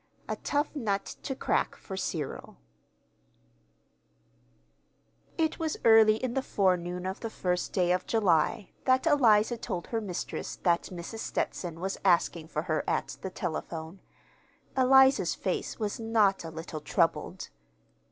A TOUGH NUT TO CRACK FOR CYRIL It was early in the forenoon of the first day of July that Eliza told her mistress that Mrs. Stetson was asking for her at the telephone. Eliza's face was not a little troubled.